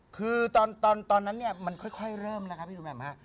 คือตอนนั้นเนี่ยมันค่อยเริ่มแล้วค่ะพี่ดูแบบนั้นค่ะ